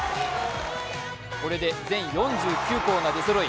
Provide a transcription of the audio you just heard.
これで全４９校が出そろい